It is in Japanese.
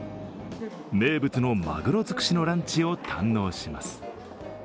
名物のまぐろづくしのランチを堪能します。